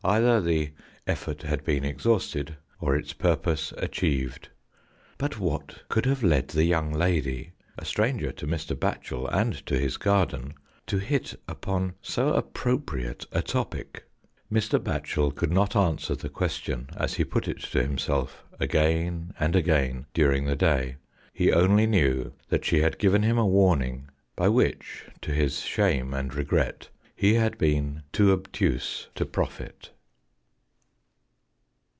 Either the effort had been exhausted, or its purpose achieved. But what could have led the young lady, a stranger to Mr. Batchel and to his garden, to hit upon so appropriate a topic? Mr. Batchel could not answer the question as he put it to himself again and again during the day. He only knew that she had given him a warning, by which, to his shame and regret, he had been too obtuse to profit.